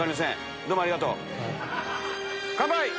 どうもありがとう。